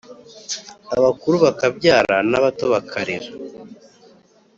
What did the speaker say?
abakuru bakabyara nabato bakarera